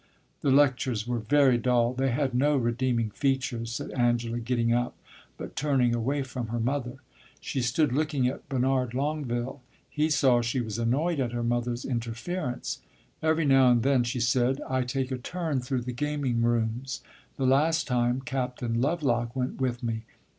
"The lectures were very dull; they had no redeeming features," said Angela, getting up, but turning away from her mother. She stood looking at Bernard Longueville; he saw she was annoyed at her mother's interference. "Every now and then," she said, "I take a turn through the gaming rooms. The last time, Captain Lovelock went with me.